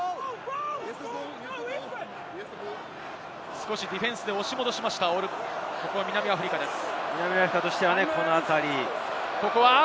少しディフェンスで押し戻しました、南アフリカです。